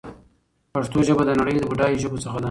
پښتو ژبه د نړۍ له بډايو ژبو څخه ده.